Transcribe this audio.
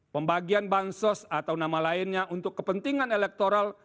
pembagian bansos atau nama lainnya untuk kepentingan elektoral